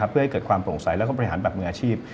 เพื่อให้เกิดความโปร่งใสแล้วก็บริหารแบบมืออาชีพ